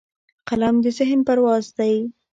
قلم د ذهن پرواز دی